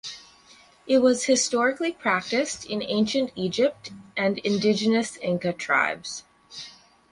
It was historically practiced in ancient Egypt and indigenous Inca tribes.